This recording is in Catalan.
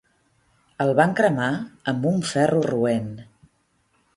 El van cremar amb un ferro roent.